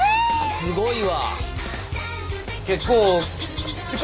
すごいわ！